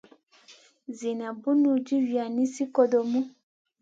Zida bunu djivia nizi kodomu.